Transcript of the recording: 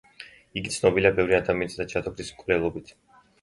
იგი ცნობილია ბევრი ადამიანისა და ჯადოქრის მკვლელობით.